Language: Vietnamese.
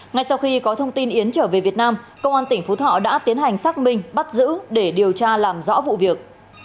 ngay sau khi có thông tin yến trở về việt nam công an tỉnh phú thọ đã tiến hành xác minh bắt giữ để điều tra làm rõ vụ việc